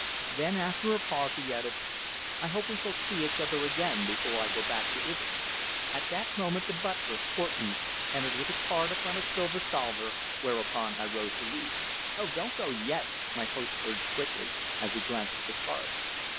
Then, after a pause, he added: "I hope we shall see each other again before I go back to Italy." At that moment, the butler, Horton, entered with a card upon a silver salver, whereupon I rose to leave. "Oh! don't go yet!" my host urged quickly, as he glanced at the card.